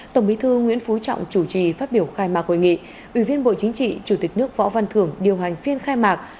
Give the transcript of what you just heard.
tổng bí thư nguyễn phú trọng chủ trì phát biểu khai mạc hội nghị ủy viên bộ chính trị chủ tịch nước võ văn thường điều hành phiên khai mạc